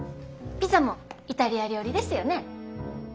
ピザもイタリア料理ですよね。